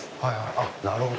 あっなるほど。